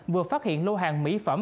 vừa phát hiện lô hàng mỹ phẩm